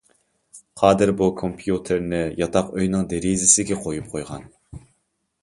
قادىر بۇ كومپيۇتېرنى ياتاق ئۆيىنىڭ دېرىزىسىگە قويۇپ قويغان.